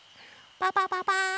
パパパパーン！